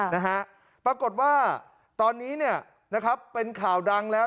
นะฮะปรากฏว่าตอนนี้เนี่ยนะครับเป็นข่าวดังแล้ว